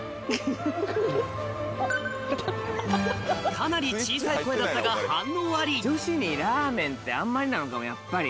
かなり小さい声だったが反応あり女子にラーメンってあんまりなのかもやっぱり。